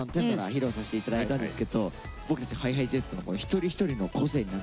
披露させて頂いたんですけど僕たちＨｉＨｉＪｅｔｓの一人一人の個性に合ってる感じがして。